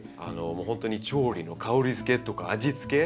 もうほんとに調理の香りづけとか味付け